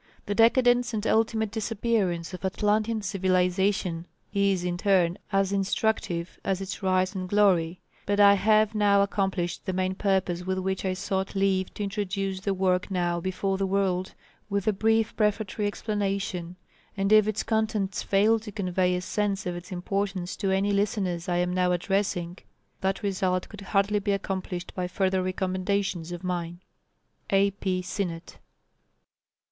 The decadence and ultimate disappearance of Atlantean civilisation is in turn as instructive as its rise and glory; but I have now accomplished the main purpose with which I sought leave to introduce the work now before the world, with a brief prefatory explanation, and if its contents fail to convey a sense of its importance to any listeners I am now addressing, that result could hardly be accomplished by further recommendations of mine. A. P. SINNETT.